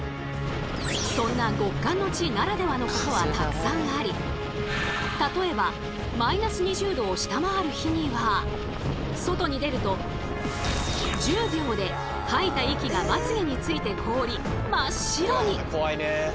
そんな極寒の地ならではのことはたくさんあり例えば外に出ると１０秒で吐いた息がまつげについて凍り真っ白に。